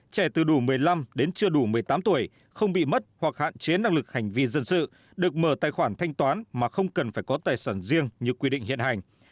trẻ từ đủ một mươi năm đến chưa đủ một mươi tám tuổi không bị mất hoặc hạn chế năng lực hành vi dân sự được mở tài khoản thanh toán mà không cần phải có tài sản riêng như quy định hiện hành